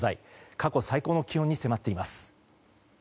過去最高の気温に迫っています。